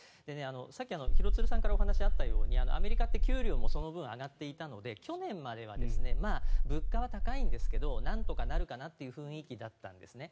さっき廣津留さんからお話があったようにアメリカって給料もその分、上がっていたので去年までは物価は高いんですけどなんとかなるかなという雰囲気だったんですね。